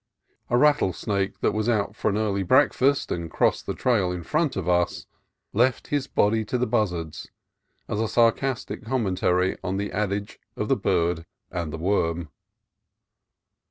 A rattlesnake that was out for an early breakfast, and crossed the trail in front of us, left his body to the buzzards as a sarcastic commentary on the adage of the bird and the worm.